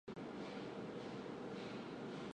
羊臼河站南下昆明方向有六渡河展线。